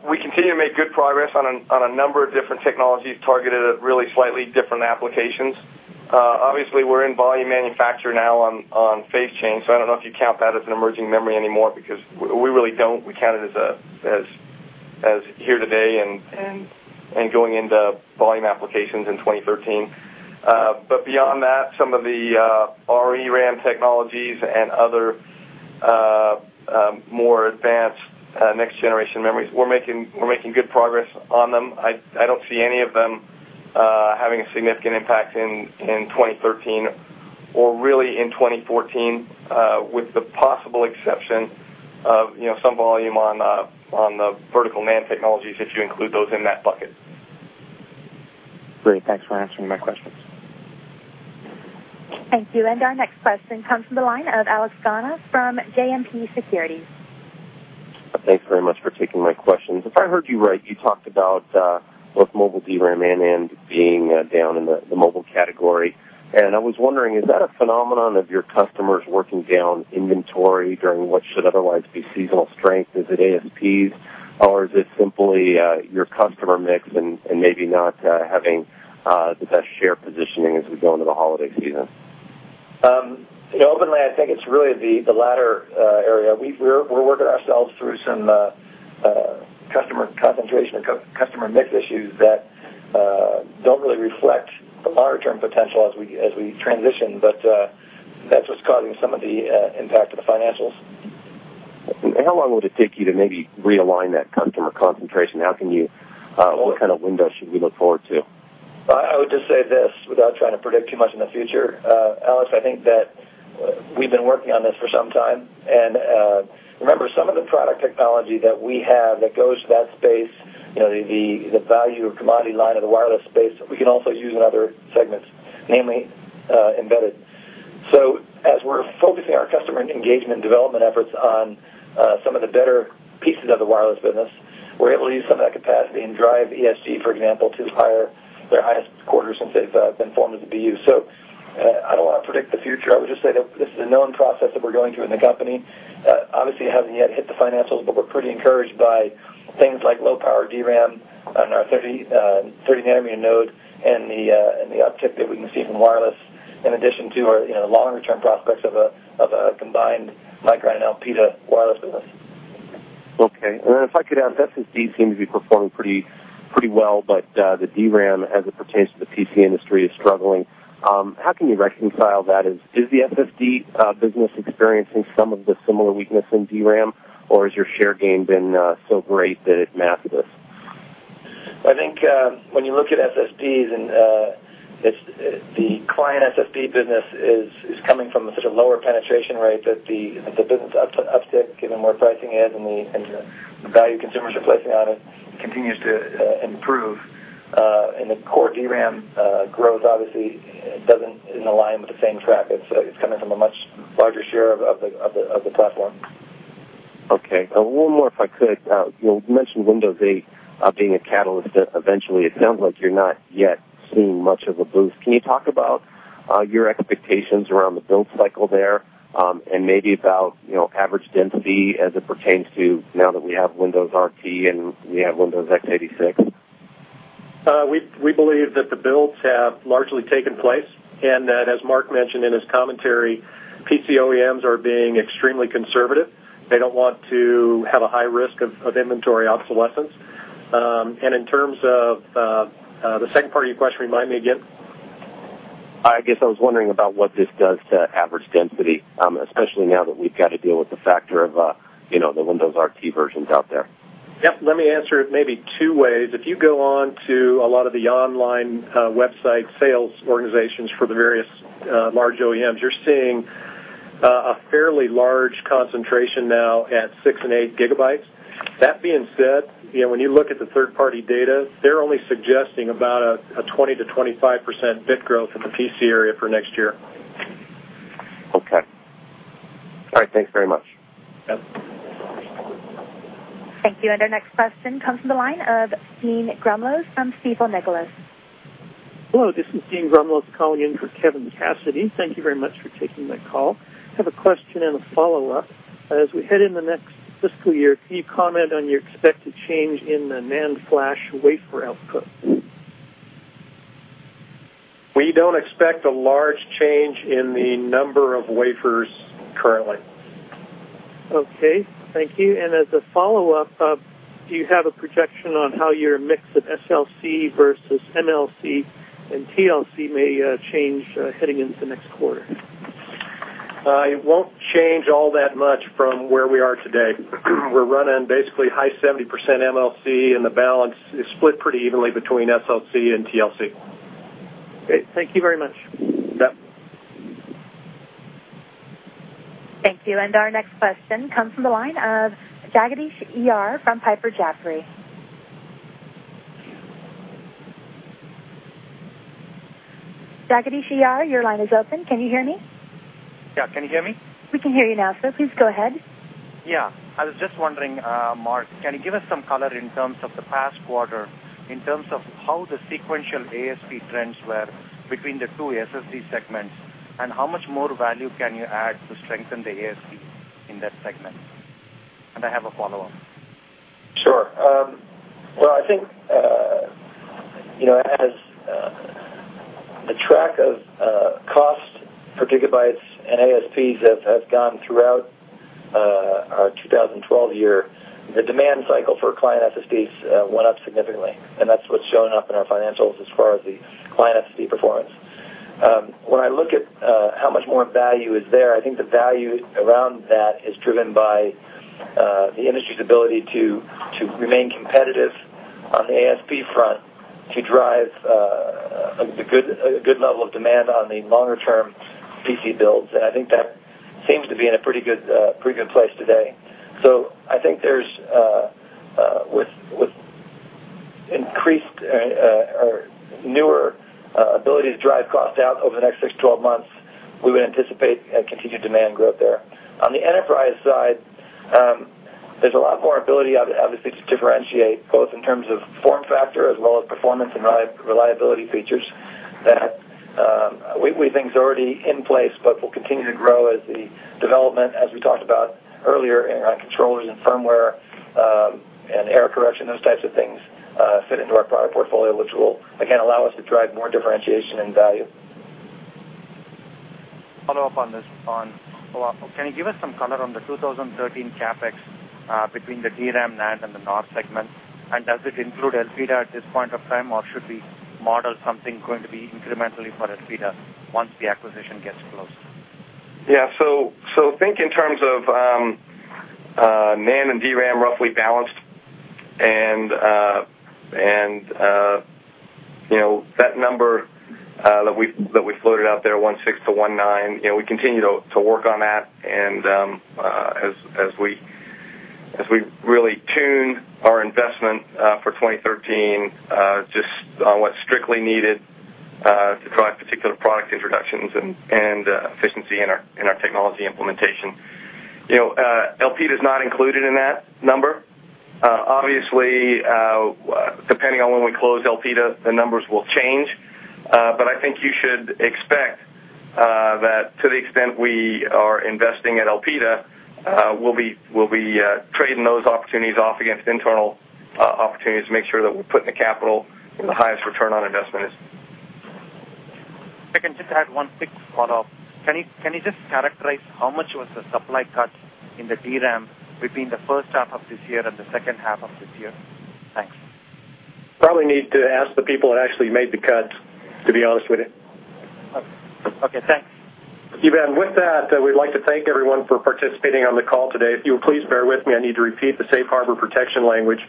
We continue to make good progress on a number of different technologies targeted at really slightly different applications. Obviously, we're in volume manufacture now on phase change, so I don't know if you count that as an emerging memory anymore because we really don't. We count it as here today and going into volume applications in 2013. Beyond that, some of the ReRAM technologies and other more advanced next generation memories, we're making good progress on them. I don't see any of them having a significant impact in 2013 or really in 2014 with the possible exception of some volume on the Vertical NAND technologies if you include those in that bucket. Great. Thanks for answering my questions. Thank you. Our next question comes from the line of Alex Gauna from JMP Securities. Thanks very much for taking my questions. If I heard you right, you talked about both mobile DRAM and NAND being down in the mobile category, and I was wondering, is that a phenomenon of your customers working down inventory during what should otherwise be seasonal strength? Is it ASPs, or is it simply your customer mix and maybe not having the best share positioning as we go into the holiday season? Openly, I think it's really the latter area. We're working ourselves through some customer concentration and customer mix issues that don't really reflect the long-term potential as we transition, but that's what's causing some of the impact of the financials. How long will it take you to maybe realign that customer concentration? What kind of window should we look forward to? I would just say this, without trying to predict too much in the future, Alex, I think that we've been working on this for some time, and remember, some of the product technology that we have that goes to that space, the value commodity line of the wireless space, we can also use in other segments, namely embedded. As we're focusing our customer engagement and development efforts on some of the better pieces of the wireless business, we're able to use some of that capacity and drive ESG, for example, to their highest quarter since they've been formed as a BU. I don't want to predict the future. I would just say that this is a known process that we're going through in the company. Obviously, it hasn't yet hit the financials, but we're pretty encouraged by things like low-power DRAM on our 30-nanometer node and the uptick that we can see from wireless, in addition to our longer-term prospects of a combined Micron and Elpida wireless business. Okay. If I could ask, SSD seems to be performing pretty well, but the DRAM, as it pertains to the PC industry, is struggling. How can you reconcile that? Is the SSD business experiencing some of the similar weakness in DRAM, or has your share gain been so great that it masks this? I think when you look at SSDs, the client SSD business is coming from a sort of lower penetration rate that the business uptick, given where pricing is and the value consumers are placing on it, continues to improve. The core DRAM growth obviously doesn't align with the same track. It's coming from a much larger share of the platform. Okay. One more, if I could. You mentioned Windows 8 being a catalyst, eventually. It sounds like you're not yet seeing much of a boost. Can you talk about your expectations around the build cycle there, and maybe about average density as it pertains to now that we have Windows RT and we have Windows x86? We believe that the builds have largely taken place, as Mark mentioned in his commentary, PC OEMs are being extremely conservative. They don't want to have a high risk of inventory obsolescence. In terms of the second part of your question, remind me again. I guess I was wondering about what this does to average density, especially now that we've got to deal with the factor of the Windows RT versions out there. Yep. Let me answer it maybe two ways. If you go on to a lot of the online website sales organizations for the various large OEMs, you're seeing a fairly large concentration now at six and eight gigabytes. That being said, when you look at the third-party data, they're only suggesting about a 20%-25% bit growth in the PC area for next year. Okay. All right. Thanks very much. Yep. Thank you. Our next question comes from the line of Dean Grumlose from Stifel Nicolaus. Hello, this is Dean Grumlow calling in for Kevin Cassidy. Thank you very much for taking my call. I have a question and a follow-up. As we head in the next fiscal year, can you comment on your expected change in the NAND flash wafer output? We don't expect a large change in the number of wafers currently. Okay. Thank you. As a follow-up, do you have a projection on how your mix of SLC versus MLC and TLC may change heading into next quarter? It won't change all that much from where we are today. We're running basically high 70% MLC, and the balance is split pretty evenly between SLC and TLC. Great. Thank you very much. Yep. Thank you. Our next question comes from the line of Jagadish Iyer from Piper Jaffray. Jagadish Iyer, your line is open. Can you hear me? Yeah. Can you hear me? We can hear you now, sir. Please go ahead. I was just wondering, Mark, can you give us some color in terms of the past quarter, in terms of how the sequential ASP trends were between the two SSD segments, and how much more value can you add to strengthen the ASP in that segment? I have a follow-up. Sure. Well, I think as the track of cost per gigabytes and ASPs have gone throughout our 2012 year, the demand cycle for client SSDs went up significantly, and that's what's shown up in our financials as far as the client SSD performance. When I look at how much more value is there, I think the value around that is driven by the industry's ability to remain competitive on the ASP front, a good level of demand on the longer-term PC builds, I think that seems to be in a pretty good place today. I think with increased or newer ability to drive costs out over the next six to 12 months, we would anticipate continued demand growth there. On the enterprise side, there's a lot more ability, obviously, to differentiate both in terms of form factor as well as performance and reliability features that we think is already in place, but will continue to grow as the development, as we talked about earlier, around controllers and firmware, and error correction, those types of things, fit into our product portfolio, which will again allow us to drive more differentiation and value. Follow up on this, on Oahu. Can you give us some color on the 2013 CapEx between the DRAM, NAND, and the NOR segments? Does it include Elpida at this point of time, or should we model something going to be incrementally for Elpida once the acquisition gets closed? Yeah. Think in terms of NAND and DRAM roughly balanced. That number that we floated out there, $1.6-$1.9, we continue to work on that. As we really tune our investment for 2013, just on what's strictly needed to drive particular product introductions and efficiency in our technology implementation. Elpida is not included in that number. Obviously, depending on when we close Elpida, the numbers will change. I think you should expect that to the extent we are investing at Elpida, we'll be trading those opportunities off against internal opportunities to make sure that we're putting the capital where the highest return on investment is. If I can just add one quick follow-up. Can you just characterize how much was the supply cut in the DRAM between the first half of this year and the second half of this year? Thanks. Probably need to ask the people that actually made the cuts, to be honest with you. Okay, thanks. Steven, with that, we'd like to thank everyone for participating on the call today. If you would please bear with me, I need to repeat the safe harbor protection language.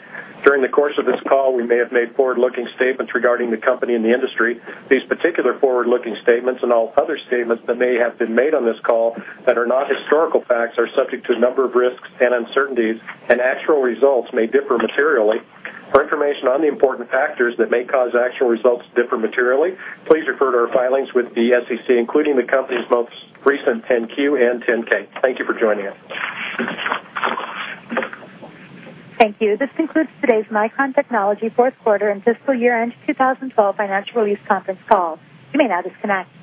During the course of this call, we may have made forward-looking statements regarding the company and the industry. These particular forward-looking statements and all other statements that may have been made on this call that are not historical facts are subject to a number of risks and uncertainties, and actual results may differ materially. For information on the important factors that may cause actual results to differ materially, please refer to our filings with the SEC, including the company's most recent 10-Q and 10-K. Thank you for joining us. Thank you. This concludes today's Micron Technology fourth quarter and fiscal year-end 2012 financial release conference call. You may now disconnect.